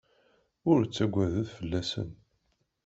Ur ttaggadet fell-asen.